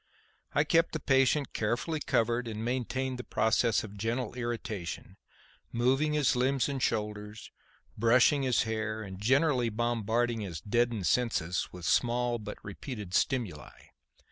I kept the patient carefully covered and maintained the process of gentle irritation, moving his limbs and shoulders, brushing his hair and generally bombarding his deadened senses with small but repeated stimuli.